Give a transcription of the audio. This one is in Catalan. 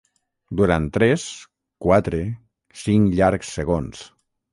Durant tres, quatre, cinc llargs segons.